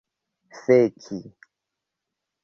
feki